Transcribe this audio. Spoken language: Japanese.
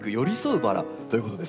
バラということですね。